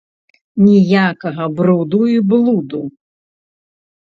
Ніякага бруду й блуду.